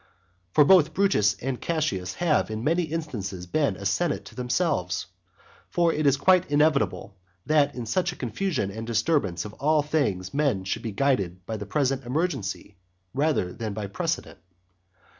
For both Brutus and Cassius have in many instances been a senate to themselves. For it is quite inevitable that in such a confusion and disturbance of all things men should be guided by the present emergency rather than by precedent.